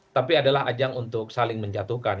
tapi adalah ajang untuk saling menjatuhkan